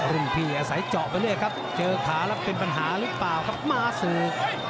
รุ่นพี่อาศัยเจาะไปเรื่อยครับเจอขาแล้วเป็นปัญหาหรือเปล่าครับมาสู่